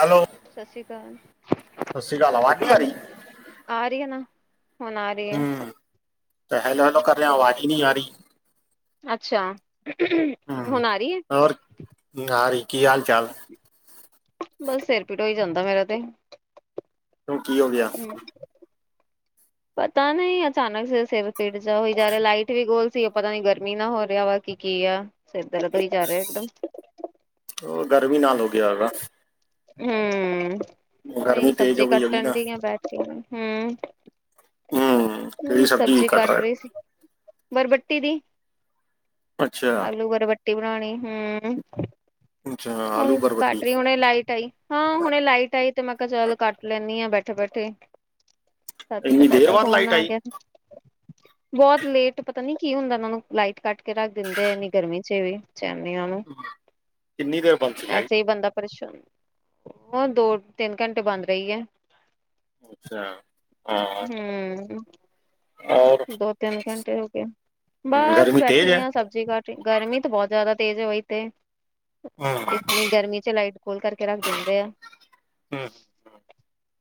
Hello ਸਤਿ ਸ੍ਰੀ ਅਕਾਲ ਸਤਿ ਸ੍ਰੀ ਅਕਾਲ, ਆਵਾਜ਼ ਨੀ ਆ ਰੀ। ਆ ਰਹੀ ਹੈ ਨਾ, ਹੁਣ ਆ ਰਹੀ ਹੈ। ਹੂੰ ਹੈਲੋ ਹੈਲੋ ਕਰ ਰਿਹਾ, ਆਵਾਜ਼ ਹੀ ਨੀ ਆ ਰਹੀ। ਅੱਛਾ [unintelligible] [inaudible] ਹਮ ਆ ਰਹੀ ਹੈ ਹੋਰ ਕੀ ਹਾਲ ਚਾਲ। ਬਸ ਸਿਰ ਪੀਟ ਹੋਈ ਜਾਂਦਾ ਮੇਰਾ ਤੇ, ਕਿਉਂ ਕੀ ਹੋ ਗਿਆ ਹੂੰ, [unintelligible] [unintelligible] ਪਤਾ ਨਹੀਂ ਅਚਾਨਕ ਸੀ ਸਿਰ ਪੀੜ ਜਾ ਹੋਈ ਜਾ ਰਿਹਾ। ਲਾਈਟ ਵੀ ਗੋਲ ਸੀ, ਉਹ ਪਤਾ ਨੀ ਗਰਮੀ ਨਾ ਹੋ ਰਿਹਾ ਵਾ ਕੀ ਕੀ ਆ ਸਿਰ ਤੇ ਲੱਕੜੀ ਜਾ ਰਿਹਾ ਇਕਦਮ। ਉਹ ਗਰਮੀ ਨਾਲ ਹੋ ਗਿਆ ਹੋਏਗਾ। ਹਮ ਉਹ ਉਹੀ ਗਰਮੀ ਤੇਜ਼ ਸਬਜ਼ੀ ਹੋ ਗਈ ਹੈਗੀ ਕੱਟਣ ਨਾ ਦੀ ਬੈਠ ਕੇ। ਹੂੰ ਕਿਹੜੀ ਸਬਜ਼ੀ ਕੱਟ ਰਹੇ ਰਹੀ ਸੀ। ਬਰਬੱਟੀ ਦ‌ਈ, ਹੋ? ਅੱਛਾ ਆਲੂ ਬਰਬੱਟੀ ਬਣਾਉਣੀ। ਹੂੰ ਅੱਛਾ ਆਲੂ ‌ਹੁਣ ਬਰਬਟੀ ਕੱਟ ਰਹੀ, ਹੁਣੇ ਲਾਈਟ ਆਈ। ਹਾਂ। ਹੁਣੇ ਲਾਈਟ ਆਈ, ਤੇ ਮੈਂ ਕਿਹਾ ਚੱਲ ਕੱਟ ਲੈਂਦੀ ਹਾਂ ਬੈਠੇ ਬੈਠੇ ਸਤਿਕਾ ਇੰਨੀ ਦੇਰ ਤੁਹਾਡਾ ਬਾਅਦ ਫੋਨ ਲਾਈਟ ਆ ਗਿਆ ਸੀ। [unintelligible] ਬਹੁਤ ਲੇਟ ਪਤਾ ਨੀ ਕੀ ਹੁੰਦਾ, ਇਹ ਨੂੰ ਲਾਈਟ ਕੱਟ ਕੇ ਰੱਖ ਦਿੰਦੇ ਨੇ ਇੰਨੀ ਗਰਮੀ ਚ ਵੀ ਚੈਨ ਨਹੀਂ ਉਹ ਨੂੰ ਕਿੰਨੀ ਦੇਰ? ਬੰਦ ਸੀ ਲਾਈਟ ਐਸੇ ਹੀ ਬੰਦਾ ਪਰੇਸ਼ਾ [inaudible] ਦੋ ਤਿੰਨ ਘੰਟੇ ਬੰਦ ਰਹੀ ਏ। ਅੱਛਾ ਹਾਂ, ਹੂੰ, ਔਰ ਦੋ ਤਿੰਨ ਘੰਟੇ ਹੋ ਗਏ ਹਮ, ਬਸ ਗਰਮੀ ਤੇਜ਼ ਬੈਠੀ ਹੈ ਆ ਸਬ ਠੀਕ ਆ ਠੀਕ ਗਰਮੀ ਤਾਂ ਬਹੁਤ ਜ਼ਿਆਦਾ ਤੇਜ਼ ਹੈ ਬਹੀ ਤੇ, ਹੂੰ ਇਤਨੀ ਗਰਮੀ ਚ ਲਾਈਟ ਖੋਲ ਕਰਕੇ ਰੱਖ ਦਿੰਦੇ ਆ। ਹੂੰ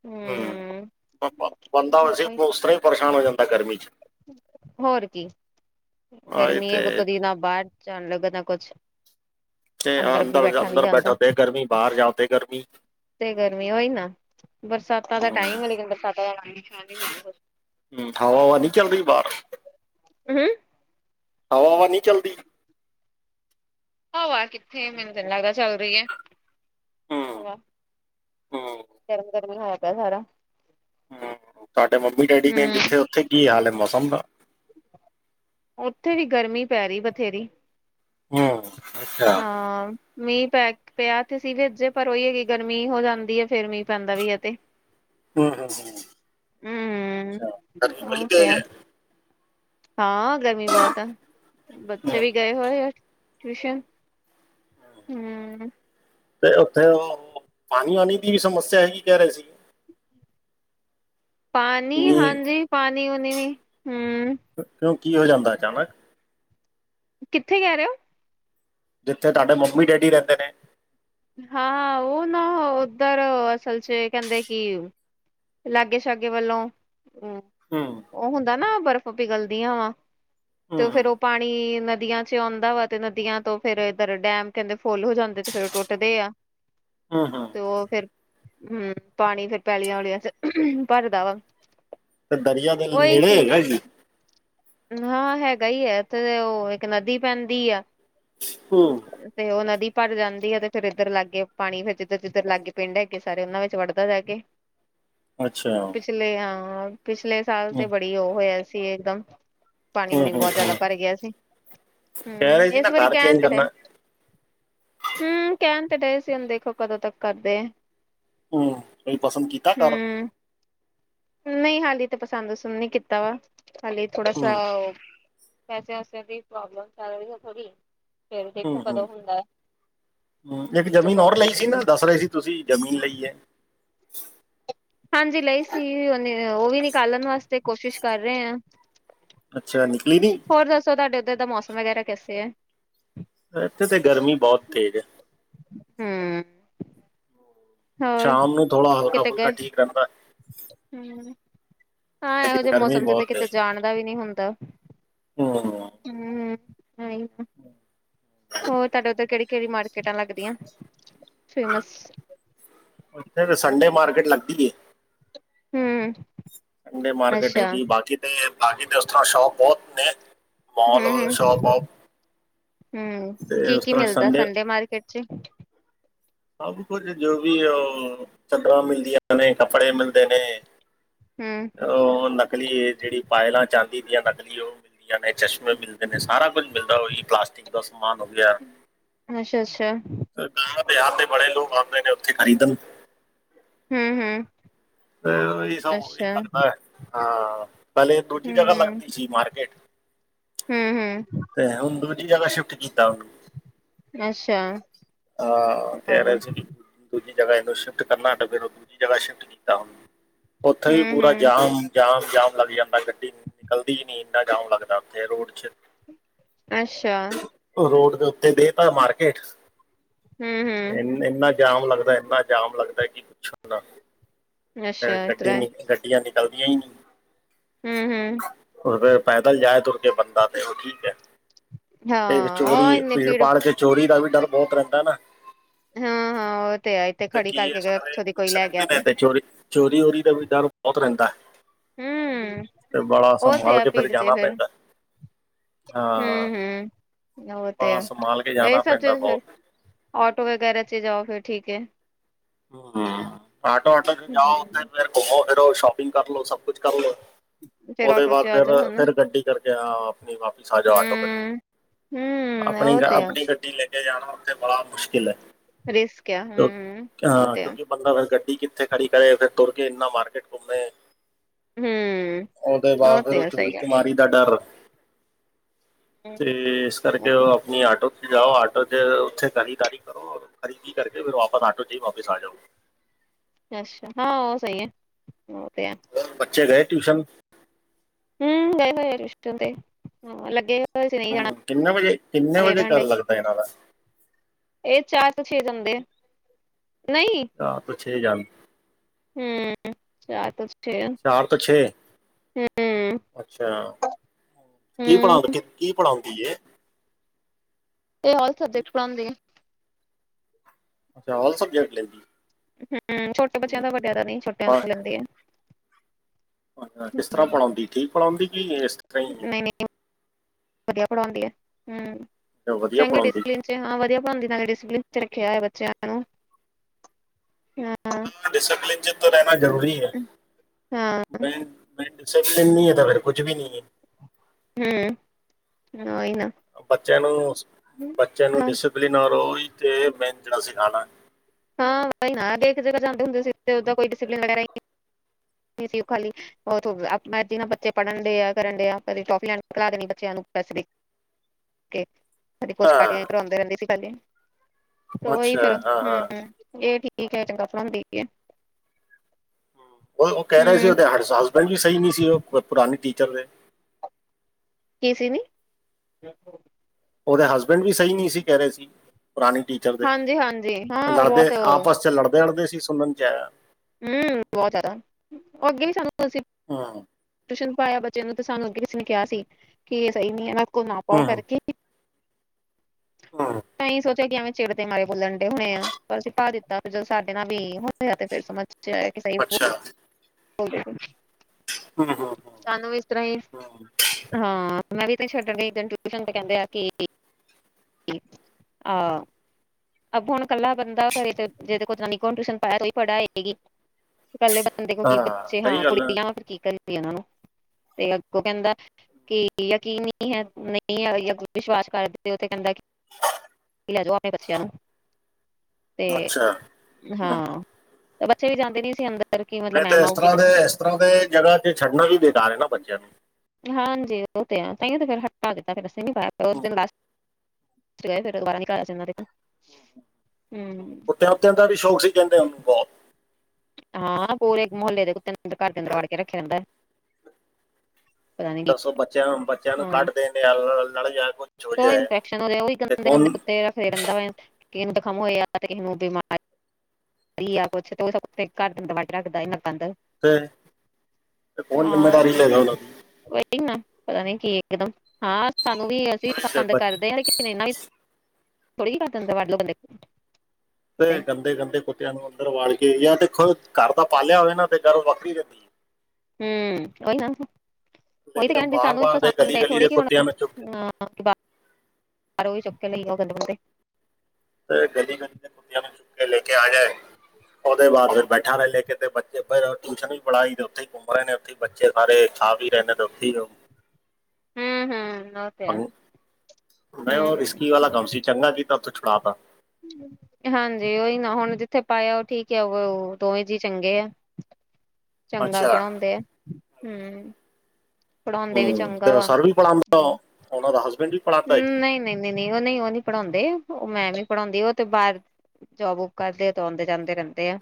ਹੂੰ, ਬ- ਬ- ਬੰਦਾ ਵੈਸੇ ਉਸ ਤਰ੍ਹਾਂ ਹੀ ਪਰੇਸ਼ਾਨ ਹੋ ਜਾਂਦਾ ਗਰਮੀ ਚ, ਹੋਰ ਕੀ! ਆਏ ਗਰਮੀ ਹੈ, ਤੇ ਉਤੋਂ ਦੀ ਨਾ ਬਾਹਰ ਜਾਣ ਲੱਗਾ ਨਾ ਕੁਛ ਤੇ ਵੀ ਅੰਦਰ ਨੀ ਅੰਦਰ ਜਾਂਦਾ ਬੈਠਾ ਤੇ ਗਰਮੀ ਬਾਹਰ ਜਾਦੇ ਗਰਮੀ, ਤੇ ਗਰਮੀ ਹੋਈ, ਨਾ ਬਰਸਾਤਾਂ ਦਾ ਟਾਈਮ ਬਸਾਤਾਂ [unintelligible] ਹੂੰ ਹਵਾ-ਹਵਾ ਨੀ ਚੱਲ ਰਹੀ ਬਾਹਰ, ਹੂੰ, ਹਵਾ-ਹਵਾ ਨਹੀਂ ਚੱਲਦੀ। ਹਵਾ ਕਿੱਥੇ ਮੈਨੂੰ ਤਾਂ ਨੀ ਲੱਗਦਾ ਚੱਲ ਰਹੀ ਹੈ ਹੂੰ ਹਵਾ, ਹੂੰ ਤ [unintelligible] ਰਮ ਗਰਮ ਹੋਈਆ ਪਿਆ ਸਾਰਾ, ਹੂੰ ਤੁਹਾਡੇ ਮੰਮੀ ਡੈਡੀ ਨੇ ਹਮ ਜਿੱਥੇ ਉੱਥੇ ਕੀ ਹਾਲੇ ਮੌਸਮ ਦਾ? ਉੱਥੇ ਵੀ ਗਰਮੀ ਪੈ ਰਹੀ ਬਥੇਰੀ। ਹਮ ਹਾਂ। ਮੀਂਹ ਪੈ ਪਿਆ ਇਥੇ ਸੀ ਵੇਜੇ ਪਰ ਉਹੀ ਹੈਗੀ ਗਰਮੀ ਹੋ ਜਾਂਦੀ ਹੈ ਫੇਿਰ ਮੀਂਹ ਪੈਂਦਾ ਵੀ ਹੈ ਤੇ। ਹਮ-ਹਮ-ਹਮ ਹਮ ਅੱਛਾ ਉਹ ਤੇ ਆ [inaudible] ਹਾਂ ਗਰਮੀ ਬਹੁਤ ਆ' ਬੱਚੇ ਹੂੰ। ਵੀ ਗਏ ਹੋਏ ਆ ਟੀਊਸ਼ਨ। ਹਮ। ਤੇ ਉੱਥੇ ਉਹ ਪਾਣੀ ਵਾਲੀ ਵੀ ਸਮੱਸਿਆ ਹੈਗੀ ਕਹਿ ਰਹੇ ਸੀ। ਪਾਣੀ ਮੀ ਹਾਂਜੀ ਪਾਣੀ-ਵਉਣੀ ਵੀ ਹਮ। ਕਿਉਂ ਕੀ ਹੋ ਜਾਂਦਾ ਅਚਾਨਕ? ਕਿੱਥੇ ਕਹਿ ਰਹੇ ਹੋ? ਜਿੱਥੇ ਤੁਹਾਡੇ ਮੰਮੀ ਡੈਡੀ ਰਹਿੰਦੇ ਨੇ। ਹਾਂ ਉਹ ਨਾ ਉੱਧਰ ਅਸਲ ਚ ਕਹਿੰਦੇ ਕਿ ਲਾਗੇ ਸ਼ਾਗੇ ਵੱਲੋਂ ਹੂੰ, ਉਹ ਹੁੰਦਾ ਨਾ ਬਰਫ਼ ਪਿਘਲਦੀਆਂ ਵਾ ਹੂੰ ਤੇ ਫੇਰ ਉਹ ਪਾਣੀ ਨਦੀਆਂ ਚ ਆਉਂਦਾ ਵਾ ਤੇ ਨਦੀਆਂ ਤੋਂ ਫੇਰ ਇੱਧਰ ਡੈਮ ਕਹਿੰਦੇ ਫੁੱਲ ਹੋ ਜਾਂਦੇ ਤੇ ਫੇਰ ਫੁੱਟਦੇ ਆ। ਹਾਂ ਹਾਂ, ਤੇ ਉਹ ਫੇਰ ਹੂੰ ਪਾਣੀ ਫੇਰ ਪੈਲੀਆਂ ਚ ਭਰਦਾ ਵਾ, ਦਰਿਆ ਦੇ ਉਹੀ ਨੇੜੇ ਸੀ ਹੈਗਾ ਜੀ? ਹਾਂ ਹੈਗਾ ਹੀ ਹੈ, ਇੱਥੇ ਉਹ ਇੱਕ ਨਦੀ ਪੈਂਦੀ ਆ। ਹੂੰ, ਤੇ ਉਹ ਨਦੀ ਭਰ ਜਾਂਦੀ ਆ ਤੇ ਫੇਰ ਇੱਧਰ ਲਾਗੇ ਪਾਣੀ ਫਿਰ ਜਿੱਧਰ ਜਿੱਧਰ ਲਾਗੇ ਪਿੰਡ ਹੈਗੇ, ਸਾਰੇ ਉਹਨਾਂ ਵਿੱਚ ਵੜਦਾ ਜਾਕੇ, ਅੱਛਾ, ਪਿਛਲੇ ਹਾਂ ਪਿਛਲੇ ਸਾਲ ਤੇ ਹੂੰ ਬੜੀ ਉਹ ਹੋਇਆ ਸੀ ਇਕਦਮ। ਪਾਣੀ- ਹੂੰ ਪੁਣੀ ਬਹੁਤ ਜਿਆਦਾ ਹੂੰ ਭਰ ਗਿਆ ਸੀ। ਕਹਿ ਰਹੇ ਹਮ ਸੀ ਨਾ ਇਸ ਵਾਰੀ ਘਰ ਕਹਿਣ ਚੇਂਜ ਤੇ ਡੇ। ਕਰਨਾ ਹਮ ਕਹਿਣ ਤੇ ਡਏ ਸੀ' ਹੁਣ ਦੇਖੋ ਕਦੋਂ ਤੱਕ ਕਰਦੇ। ਹੂ ਕੋਈ ਪਸੰਦ ਕੀਤਾ ਘਰ। ਹੂੰ ਨਹੀਂ ਹਲੇ ਤਾਂ ਪਸੰਦ ਸਣ ਨਹੀਂ ਕੀਤਾ ਹਲੇ ਥੋੜਾ ਹੂੰ ਸ। ਪੈਸੇ ਵਸਿਆਂ ਦੀ ਪ੍ਰੋਬਲਮ ਚੱਲ ਰਹੀ ਹੈ ਥੋੜੀ। ਫੇਰ ਹੂ ਦੇਖੋ ਕਦੋਂ ਹੂ ਹੁੰਦਾ ਇੱਕ ਜ਼ਮੀਨ ਜਦੋਂ ਔਰ ਲਈ ਸੀ ਨਾ ਦੱਸ ਰਹੇ ਸੀ ਤੁਸੀਂ ਜ਼ਮੀਨ ਲਈ ਹੈ। ਹਾਂਜੀ ਲਈ ਸੀ ਉਹਨੇ ਉਹ ਵੀ ਨਿਕਾਲਣ ਵਾਸਤੇ ਕੋਸ਼ਿਸ਼ ਕਰ ਰਹੇ ਹਾਂ। ਅੱਛਾ ਨਿਕਲੀ ਨਹੀਂ। ਹੋਰ ਦੱਸੋ ਤੁਹਾਡੇ ਉੱਧਰ ਦਾ ਮੌਸਮ ਵਗੈਰਾ ਕੈਸੇ ਹੈ। ਇੱਥੇ ਤੇ ਗਰਮੀ ਬਹੁਤ ਤੇਜ਼ ਹੈ। ਹੂੰ ਹੋਰ ਸ਼ਾਮ ਨੂੰ ਥੋੜਾ ਹਲਕਾ ਫੁਲਕਾ ਠੀਕ ਰਹਿੰਦਾ। ਹੂ,,, ਹਾਂ ਇਹੋ ਲੇਕਿਨ ਜਿਹੇ ਗਰਮੀ ਮੌਸਮ ਚ ਤੇ ਬਹੁਤ ਹੈ ਕਿਤੇ ਜਾਣ ਦਾ ਵੀ ਨਹੀਂ ਹੁੰਦਾ। ਹੂੰ ਹੂ [unintelligible] ਹੋਰ ਤੁਹਾਡੇ ਉੱਤੇ ਕਿੜੀ ਕਿੜੀ ਮਾਰਕ ਕਿੱਦਾਂ ਲੱਗਦੀਆਂ ਫੇਮਸ। ਉੱਥੇ ਸੰਡੇ ਮਾਰਕੀਟ ਲੱਗਦੀ ਏ। ਹੂ,,, ਸੰਡੇ ਮਾਰਕੀਟ ਹੈਗੀ ਬਾਕੀ ਤੇ ਬਾਕੀ ਤੇ ਉਸ ਤਰ ਸ਼ੋਪ ਬਹੁਤ ਨੇ। ਹੂ ਮਾਲ ਔਰ ਸ਼ਾਪ ਆਪ ਹੂ ਹੂ ਤੇ ਕੀ ਉਸ ਕੀ ਤਰ੍ਹਾਂ ਮਿਲਦਾ ਸੰਡੇ ਮਾਰਕੀਟ ਚ। ਸਭ ਕੁਝ ਜੋ ਵੀ ਉਹ ਚੱਦਰਾਂ ਮਿਲਦੀਆਂ ਨੇ ਕੱਪੜੇ ਮਿਲਦੇ ਨੇ। ਹੂ,,, ਉਹ ਨਕਲੀ ਜਿਹੜੀ ਪਾਇਲਾ ਚਾਂਦੀ ਦੀਆਂ ਨਕਲੀ ਉਹ ਮਿਲ। ਨੇ ਚਸ਼ਮੇ ਮਿਲਦੇ ਨੇ ਸਾਰਾ ਕੁੱਝ ਮਿਲਦਾ ਉਹੀ ਪਲਾਸਟਿਕ ਦਾ ਸਮਾਨ ਹੋ ਗਿਆ। ਅੱਛਾ- ਅੱਛਾ। ਤਾਂ ਪੰਜਾਬ ਦੇ ਬੜੇ ਲੋਕ ਆਉਂਦੇ ਨੇ ਉੱਥੇ ਖਰੀਦਣ। ਹੂ ਹੂ ਇਹ ਸਭ ਇਹ ਲੱਗਦਾ ਹੈ ਹਾਂ ਪਹਿਲੇ ਦੂਜੀ ਜਗ੍ਹਾ ਲੱਗਦੀ ਸੀ ਮਾਰਕੀਟ ਹੂ ਹੂ ਤੇ ਹੁਣ ਦੂਜੀ ਜਗਾ ਸ਼ਿਫਟ ਕੀਤਾ ਉਹਨੂੰ ਅੱਛਾ ਹਾਂ ਤੇ ਹਾਂ, ਐਵੇਂ ਸੈਟਿੰਗ ਦੂਜੀ ਜਗਾ ਇਹਨੂੰ ਸ਼ਿਫਟ ਕਰਨਾ ਫਿਰ ਉਹ ਦੂਜੀ ਜਗਾ ਸ਼ਿਫਟ ਕੀਤਾ ਹੁਣ ਉੱਥੇ ਵੀ ਪੂਰਾ ਹੂੰ-ਹੂੰ, ਜਾਮ ਜਾਮ ਜਾਮ ਲੱਗ ਜਾਂਦਾ ਗੱਡੀ ਨਿਕਲਦੀ ਨਹੀਂ ਇੰਨਾ ਜਾਮ ਲੱਗਦਾ ਉੱਥੇ ਰੋਡ 'ਚ ਅੱਛਾ। ਰੋਡ ਦੇ ਉੱਤੇ ਦੇਤਾ ਮਾਰਕੀਟ ਹੂੰ-ਹੂੰ, ਇੰਨਾ ਜਾਮ ਲੱਗਦਾ ਇੰਨਾ ਜਾਮ ਲੱਗਦਾ ਕਿ ਪੁੱਛੋ ਨਾ ਅੱਛਾ ਇਸ ਗੱਡੀ ਤਰ੍ਹਾਂ ਨੀ। ਗੱਡੀਆਂ ਨਿਕਲਦੀਆਂ ਹੀ ਨਹੀਂ। ਹੂ ਹੂ [unintelligible] ਪੈਦਲ ਜਾਏ ਤੁਰ ਕੇ ਬੰਦਾ ਤੇ ਉਹ ਠੀਕ ਹੈ। ਹਾਂ ਇਹ ਚੋਰੀ ਉਹ ਇੰਨੇ ਭੀੜ ਪਾੜ ਚ ਚੋਰੀ ਦਾ ਵੀ ਡਰ ਬਹੁਤ ਰਹਿੰਦਾ ਨਾ। ਹਾਂ ਹਾਂ। ਆ ਉਹ ਤੇ ਆਈ ਤੇ ਕੀ ਇਹ ਸਾਰੇ ਮਿਕਸ ਰਹਿੰਦੇ ਨੇ ਚੋਰੀ ਚੋਰੀ ਦਾ ਵੀ ਡਰ ਬਹੁਤ ਰਹਿੰਦਾ ਹੈ। ਹੂੰ, ਤੇ ਬੜਾ ਉਹ ਤੇ ਸੰਭਾਲ ਆ ਕੇ ਫਿਰ ਭੀੜ ਜਾਣਾ ਪੈਂਦਾ। ਹੂ ਹਾਂ ਹੂ ਉਹ ਤੇ ਬੜਾ ਆ ਸੰਭਾਲ ਕੇ ਇਹ ਜਾਣਾ ਸਭ ਚੀ ਪੈਂਦਾ ਫਿਰ। ਬਹੁਤ ਆਟੋ ਵਗੈਰਾ ਚੇ ਜਾਓ ਫਿਰ ਠੀਕ ਹੈ। ਹੂ ਆਟੋ-ਆਟੋ ਚ ਜਾਓ ਉਥੇ ਹੂੰ, ਫਿਰ ਘੁੰਮੋ ਫਿਰੋ ਸ਼ੋਪਿੰਗ ਕਰਲੋ ਸਭ ਕੁਛ ਕਰਲੋ। ਫੇਰ ਉਹਦੇ ਆਟੋ ਚ ਬਾਅਦ ਆ ਜਾਓ ਫਿਰ ਹਨਾ ਫਿਰ ਗੱਡੀ ਕਰਕੇ ਆ ਆਪਣੀ ਵਾਪਿਸ ਆ ਜਾਓ ਆਟੋ ਕਰਕੇ ਹੂੰ ਹੂੰ ਆਪਣੀ ਉਹ ਤੇ ਆ ਆਪਣੀ ਗੱਡੀ ਲੈ ਕੇ ਜਾਣਾ ਉਥੇ ਬੜਾ ਮੁਸ਼ਕਿਲ ਹੈ। ਰਿਸਕ ਆ ਹੂ ਕਿਉਂ- ਉਹ ਹਾਂ, ਤੇ ਹੈ। ਕਿਉਂਕਿ ਬੰਦਾ ਫਿਰ ਗੱਡੀ ਕਿੱਥੇ ਖੜੀ ਕਰੇ ਫਿਰ ਤੁਰ ਕੇ ਇੰਨਾ ਮਾਰਕੀਟ ਘੁੰਮੇ ਹੂੰ ਉਹਦੇ ਬਾਅਦ ਫਿਰ ਤੇ ਉਹ ਆ ਸਹੀ ਚੂੜੀ, ਗੱਲ ਚਮਾਰੀ। ਦਾ ਡਰ ਹੂੰ ਤੇ ਇਸ ਕਰਕੇ। ਉਹ ਆਟੋ ਚ ਜਾਓ, ਆਟੋ ਚ ਉੱਥੇ ਕਾਹੀ ਤਾਰੀਖ [unintelligible] ਖਰੀਦੀ ਕਰਕੇ ਫੇਰ ਵਾਪਸ, ਆਟੋ ਚ ਹੀ ਵਾਪਿਸ ਆ ਜਾਓ। ਅੱਛਾ, ਹਾਂ ਉਹ ਸਹੀ ਹੈ, ਉਹ ਤੇ ਹੈ। ਬੱਚੇ ਗਏ ਟਿਊਸ਼ਨ? ਹਮ, ਗਏ ਹੋਏ ਰਿਸ਼ਟ ਤੇ ਲੱਗੇ ਹੋਏ ਸੀ ਨਹੀਂ ਹਮ, ਕਿੰਨੇ ਵਜੇ, ਕਿੰਨੇ ਵਜੇ ਜਾਣਾ ਗੱਲ ਡਈ ਲੱਗਦਾ ਇਹਨਾਂ ਦਾ? ਇਹ, ਚਾਰ ਤੋਂ ਛੇ [unintelligible] ਜਾਂਦੇ ਨਹੀਂ ਤਾਂ ਛੇ ਜਾਣ [unintelligible] ਹਮ ਚ [unintelligible] ਚਾਰ ਤੋਂ ਛੇ। ਅੱਛਾ, ਕੀ ਹੂੰ ਪੜਾਉਂ ਕੀ ਪੜ੍ਹਾਉਂਦੀ? ਇਹ ਐੱਲ ਸਬਜੈਕਟ ਪੜਉਦੀ ਹੈ। ਅੱਛਾ, ਐੱਲ ਸਬਜੈਕਟ ਐ ਜੀ। ਹਮ, ਛੋਟੇ ਬੱਚਿਆਂ ਦਾ, ਵੱਡਿਆਂ ਤਾਂ ਨੀ ਛੋਟਿਆਂ ਨੂੰ ਲੈਂਦੀ ਆ। ਹਾਂ ਕਿਸ ਤਰ੍ਹਾਂ ਹਮ, ਪੜ੍ਹਾਉਂਦੀ? ਠੀਕ ਪੜ੍ਹਾਉਂਦੀ ਕਿ ਇਸ ਤਰ੍ਹਾਂ ਹੀ। ਨਹੀਂ ਨਹੀਂ ਵਧੀਆ ਪੜਾਉਂਦੀ ਹੈ ਹਮ, ਹੈ ਵਧੀਆ ਚੰਗੇ ਪੜਾਉਂਦੀ ਡਿਸਪਲੀਨ ਹਾਂ, ਵਧੀਆ ਪੜਾਂਦੀ ਨਾਲ਼ੇ ਡਿਸਪਲੀਨ ਚ ਰੱਖਿਆ ਹੋਇਆ ਬੱਚਿਆਂ ਨੂੰ, ਹਾਂ। ਡਿਸਪਲੀਨ ਚ ਤ ਰਹਿਣਾ ਜ਼ਰੂਰੀ ਹੈ। ਹਾਂ। ਮੈ, ਮੈ ਡਸਪਲਨ ਨਹੀਂ ਫਿਰ ਕੁਝ ਵੀ ਨਹੀਂ ਹੈ। ਹੂੰ ਉਹੀ ਨਾ ਬੱਚਿਆਂ ਨੂੰ, ਬੱਚਿਆਂ ਨੂੰ ਹਾਂ ਡਿਸ ਪਲੇਨਾਰ ਓਹ ਹੀ ਤੇ ਮੈਨ ਜਿਹੜਾ ਸੀ ਆਣਾ ਹਾਂ ਬਈ ਹਰੇਕ ਜਗ੍ਹਾ ਜਾਂਦੇ ਹੁੰਦੇ ਸੀ ਓਹਦਾ ਕੋਈ ਡਿਸਪਲ ਵਗੈਰਾ ਨਹੀਂ। ਜੀ ਸੀ ਉਹ ਖਾਲੀ ਓਹ ਤੋ ਮੈ ਜੀਨਾ ਬੱਚੇ ਪੜ੍ਹਨ ਡੇ ਆ, ਕਰਨ ਡੇਆ ਆ ਕਦੇ ਟੌਫੀ ਲੈਂਣ ਘਲਾ ਦੇਣੀ ਬੱਚਿਆਂ ਨੂੰ ਪੈਸੇ ਦੇ [unintelligible] ਹਾਂ ਕਰਾਉਂਦੇ ਰਹਿੰਦੇ ਸੀ ਪਹਿਲੇ। ਉਹੀ ਅੱਛਾ ਫੇਰ ਹਾਂ ਹੂੰ, ਹਾਂ ਇਹ ਠੀਕ ਐ, ਚੰਗਾ ਪੜਾਉਂਦੀ ਆ। ਉਹ, ਉਹ ਕਹਿ ਰਹੇ ਸੀ। ਹੂੰ ਉਹਦੇ ਹਰਸ ਹਸਬੈਂਡ ਵੀ ਸਹੀ ਨ ਸੀ ਉਹ ਪੁਰਾਣੇ ਟੀਚਰ ਦੇ। ਕਿ ਸੀ ਨੇ। ਉਹਦੇ ਹਸਬੈਂਡ ਵੀ ਸਹੀ ਨਹੀਂ ਸੀ ਕਹਿ ਰਹੇ ਸੀ। ਪੁਰਾਣੀ ਟੀਚਰ ਦੇ। ਹਾਂਜੀ ਹਾਂਜੀ ਹਾਂ ਬਹੁਤ ਲੜਦੇ ਆਪਸ 'ਚ ਅੜਦੇ ਸੀ ਸੁਣਨ 'ਚ ਆਇਆ। ਹੂੰ, ਬਹੁਤ ਜ਼ਿਆਦਾ, ਉਹ ਅੱਗੇ ਨੀ ਸਾਨੂੰ ਤੁਸੀਂ ਹਾਂ। ਟਿਊਸ਼ਨ ਪਾਇਆ ਬੱਚੇ ਨੂੰ ਤੇ ਸਾਨੂੰ ਅੱਗੇ ਕਿਸੇ ਨੇ ਕਿਹਾ ਸੀ ਕਿ ਇਹ ਸਹੀ ਨ ਹੈ, ਨਾ ਕੋਲ ਨਾ ਪਾਓ ਹੂੰ ਕਰਕੇ। ਹਾਂ। ਮਸੀਂ ਸੋਚਿਆ ਕਿ ਐਵੇਂ ਚਿੜ ਤੇ ਮਾਰੇ ਬੁਲਣ ਡੇ ਹੋਏ ਆ, ਪਰ ਅਸੀਂ ਪਾ ਦਿੱਤਾ ਜਦੋਂ ਸਾਡੇ ਨਾਲ ਵੀ ਹਦੇ ਆ ਤੇ ਫਿਰ ਸਮਝ ਚ ਆਇਆ। ਕਿ ਸਹੀ ਅੱਛਾ। ਹੂੰ ਹੂੰ ਸਾਨੂੰ ਵੀ ਇਸ ਤਰ੍ਹਾਂ ਹੀ, ਹੂੰ ਹਾਂ। ਮੈਂ ਵੀ ਤਾਂ ਛੱਡ ਡ [unintelligible] ਇੱਦਣ ਟਿਊਸ਼ਨ ਤੇ ਕਹਿੰਦੇ ਆ ਕਿ। ਆਹ। ਅੱਛਾ, ਹੁਣ ਇਕੱਲਾ ਬੰਦਾ ਘਰੇ ਤੇ ਜੇ ਕੋ ਨਣ ਟਿਊਸ਼ਨ ਪਾਇਆ ਈ ਪੜ੍ਹ ਹੈਏਗੀ। ਇਕੱਲੇ ਬੰਦੇ ਕੋ ਕੀ [unintelligible] ਬੱਚੇ ਸਹੀ ਹਾਂ ਗੱਲ ਹੈ ਕੁੜੀ ਜਾਂ ਫ ਕੀ ਕਰਦੀ ਇਹਨਾਂ ਨੂੰ ਤੇ ਅੱਗੋਂ ਕਹਿੰਦਾ ਕੀ ਯਕ ਨਹੀਂ ਹੈ, ਨਹੀਂ ਵਿਸ਼ਵਾਸ ਕਰਦੇ। ਦੇ ਉਹ ਤੇ ਕਹਿੰਦਾ। ਲੇ ਜੋ ਆਪਣੇ ਬਚਿਆਂ ਨੂੰ। ਤੇ ਅੱਛਾ ਹਮ। ਹਾਂ, ਤੇ ਬੱਚੇ ਵੀ ਜਾਂਦੇ ਨੀ ਅ ਸੀ ਅੰਦਰ। ਕਿ ਮਤਲਬ ਮੇ ਤਾਂ, ਮੈਮ ਏਸ ਆਊਗੀ ਤਰ੍ਹਾਂ ਦੇ, ਇਸ ਤਰ੍ਹਾਂ ਦੇ ਜਗ੍ਹਾ ਤੇ ਛੱਡਣਾ ਵੀ ਬੇਕਾਰ ਹੈਨਾ ਬੱਚਿਆਂ ਨੂੰ। ਹਾਂਜੀ ਉਹ ਤੇ ਆ, ਤਾਈਓ ਤੇ ਫਿਰ ਹਟਾ ਦਿੱਤਾ ਫਿਰ ਅਸੀਂ ਨੀ ਪਾਇਆ ਉਸ ਹਮ, ਦਿਨ ਲਾਸਟ ਤੇ ਗਏ ਫਿਰ ਦੁਬਾਰਾ ਨਹੀਂ ਘਲਾਇਆ ਸੀ ਉਹਨਾਂ ਦੇ ਘਰ ਕੁੱਤਿਆਂ ਕੁੱਤਿਆਂ ਦਾ ਵੀ ਸ਼ੌਕ ਸੀ ਕਹਿੰਦੇ ਉਹਨੂੰ ਬਹੁਤ। ਹਾ, ਪੂਰੇ ਮੁਹੱਲੇ ਦੇ ਕੁੱਤੇ ਅੰਦਰ ਘਰ ਕੇ ਅੰਦਰ ਵਾੜ ਕੇ ਰੱਖਿਆ ਜਾਂਦਾ। ਦੱਸੋ ਬੱਚਿਆਂ ਨੂੰ, ਬੱਚਿਆਂ ਨੂੰ ਹਾਂ ਕੱਢ ਦੇਣ ਡੇ ਆ ਨਾਲੇ ਜਾਂ ਕੁ ਉਹ ਇਨਫੈਕਸ਼ਨ ਉਹਦੇ, ਉਹ ਹੀ ਗੰਦੇ ਗੰਦੇ ਕੁੱਤੇ ਰੱਖਦੇ ਰਹਿੰਦਾ ਆ। ਕਿਹੇ ਨੂੰ ਜਖਮ ਹੋਇਆ ਤੇ ਕਿਸੇ ਨੂੰ, ਕਿਸੇ ਨੂੰ ਬਿਮਾਰ [inaudible] ਕੋੌਣ ਹਾਂ ਜਿੰਮੇਦਾਰੀ ਲੇਗਾ ਉਨ੍ਹਾਂ ਦੀ? ਉਹੀ ਨਾ ਪਤਾ ਨੀ ਕੀ ਇਕਦਮ। ਹਾਂ ਸਾਨੂੰ ਵੀ ਅਸੀਂ ਤੇ ਪਸੰਦ ਬੱਚੇ ਕਰਦੇ ਹ ਨਾਲ ਥੋੜੀ ਵ ਬੰਦੇ ਤੇ ਕੁੱਤੇ ਗੰਦੇ -ਗੰਦੇ ਕੁੱਤਿਆਂ ਨੂੰ ਅੰਦਰ ਵੜ ਕੇ। ਜਾ ਦੇਖੋ, ਘਰ ਦਾ ਪਾਲਿਆ ਹੋਵੇ ਨਾ ਤੇ ਗਰ ਵੱਖਰੀ ਹੋਂਦੀ। ਹੂੰ ਉਹੀ ਨਾ, ਉਹੀ ਤੇ ਲੇਕਿਨ ਉਹ ਕਹਿਣ ਡੇ, ਸਾਨੂੰ ਬਾਰ-ਬਾਰ ਦੇ ਪਸੰਦ ਗਲੀ-ਗਲੀ ਥੋੜੀ ਦੇ ਕਿ ਹੁਣ, ਕੁੱਤਿਆਂ ਨੂੰ ਚੁੱਕ ਕੇ ਹਾਂ ਬਾਕੀ ਬਾਹੋਂ ਵੀ ਚੁੱਕ ਕੇ ਲਈ ਆਓ ਗਦੇ ਬਦੇ ਤੇ ਗਲੀ ਗਲੀ ਤੇ ਕੁਤਿਆਂ ਨੂੰ ਚੁੱਕ ਕੇ ਲੈ ਕੇ ਆ ਜਾਏ। ਉਹਦੇ ਬਾਅਦ ਫਿਰ ਬੈਠਾ ਰੇਆ ਕੇ ਕੇ ਤੇ ਬੱਚੇ, ਟਿਊਸ਼ਨ ਵੀ ਪੜ੍ਹਾਈ ਤੇ ਉੱਥੇ। ਘੁੰਮ ਰਹੇ ਨੇ ਉੱਥੇ ਬੱਚੇ ਸਾਰੇ ਖਾ-ਹੀ ਰਹੇ ਨੇ ਉੱਥੇ ਓਹ ਹੂੰ ਹੂੰ ਨਰ ਪੰਗ, ਮੈਂ ਉਹ ਰਿਸਕੀ ਵਾਲਾ ਕੰਮ ਸੀ। ਚੰਗਾ ਕੀਤਾ ਉਥੋਂ ਛੁੜਾ ਤਾ। ਹਾਂਜੀ, ਓਹੀ ਨਾ ਹੁਣ ਜਿੱਥੇ ਪਾਇਆ ਉਹ ਠੀਕ ਆ ਉਹ ਦੋਵੇਂ ਜੀਅ ਚੰਗੇ ਆ। [inaudible] ਚੰਗਾ ਬਣਾਉਂਦੇ ਆ। ਹੂੰ ਪੜ੍ਹਾਉਂਦੇ ਵੀ ਹੂੰ ਚੰਗਾ ਤੇ ਵਾ। ਸਰ ਵੀ ਪੜਾਉਂਦਾ ਹੂੰ ਉਹਨਾਂ ਦਾ ਹਸਬੈਂਡ। ਨਹੀਂ ਨਹੀਂ ਨਹੀਂ ਨਹੀਂ, ਉਹ ਨਹੀਂ, ਉਹ ਨਹੀਂ ਪੜ੍ਹਾਉਂਦੇ। ਉਹ ਮੈਂਮ ਈ ਪੜ੍ਹਾਉਂਦੀ ਐ। ਉਹ ਤੇ ਬਾਹਰ ਜੋਬ ਵੋਬ ਕਰਦੇ ਆ ਤੇ ਆਉਂਦੇ ਜਾਂਦੇ ਰਹਿੰਦੇ ਆ।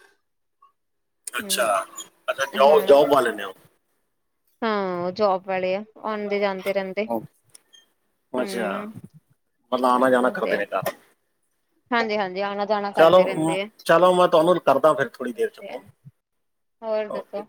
ਹੂੰ ਅੱਛਾ, ਅੱਛਾ ਜਓ ਜੌਬ ਵਾਲੇ ਨੇ ਓਹ। ਹਾਂ। ਉਹ ਜੋਬ ਵਾਲੇ ਆ, ਆਦੇ ਜਾਂਦੇ ਰਹਿੰਦੇ। ਉਹ ਅੱਛਾ, ਹੂੰ। ਮਤਲਬ ਆਉਣਾ ਜਾਣਾ ਕਰਦੇ ਨੇ ਘਰ। ਹਾਂਜੀ, ਹਾਂਜੀ ਆਣਾ ਜਾਣਾ ਚਲੋ, ਕਰਦੇ ਰਹਿੰਦੇ ਚਲੋ ਮੈਂ ਤੁਹਾਨੂੰ ਕਰਦਾ ਫਿਰ ਥੋੜੀ ਦੇਰ ਚ ਆ। ਫੋਨ ਹੋਰ ਦੱਸੋ? ਓਕੇ।